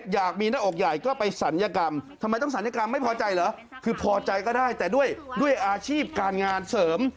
ทำไมต้องศัลยกรรมไม่พอใจเหรอคือพอใจก็ได้แต่ด้วยอาชีพการงานเสริม